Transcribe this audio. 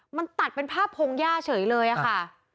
มันตัดเป็นภาพพงหญ้าเฉยเลยอะค่ะ